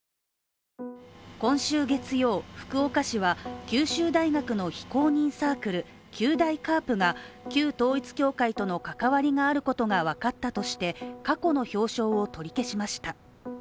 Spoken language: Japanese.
今週月曜、福岡市は九州大学の非公認サークル、旧統一教会との関わりがあることが分かったとして過去の表彰を取り消しました。